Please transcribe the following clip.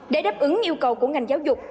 để đáp ứng yêu cầu của ngành giáo dục